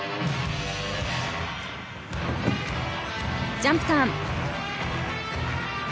ジャンプターン。